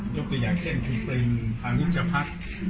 ยกประอย่างเช่นคุณพลิงภาโมนิจภัฒน์